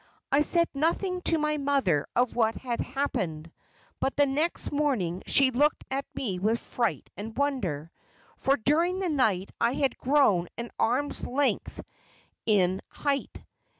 I said nothing to my mother of what had happened, but the next morning she looked at me with fright and wonder, for during the night I had grown an arm's length in height.